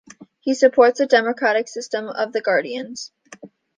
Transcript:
He supports the democratic system of the Guardians.